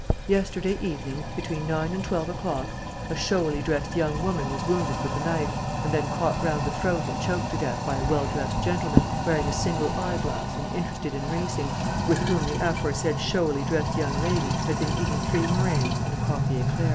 Yesterday evening, between nine and twelve o'clock, a showily dressed young woman was wounded with a knife and then caught round the throat and choked to death by a well dressed gentleman, wearing a single eyeglass and interested in racing, with whom the aforesaid showily dressed young lady had been eating three meringues and a coffee éclair."